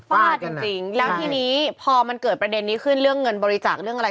ฟาดจริงจริงแล้วทีนี้พอมันเกิดประเด็นนี้ขึ้นเรื่องเงินบริจาคเรื่องอะไร